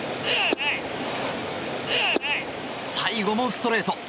最後もストレート。